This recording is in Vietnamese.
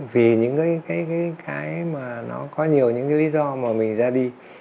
vì những cái mà nó có nhiều những cái lý do mà mình ra đi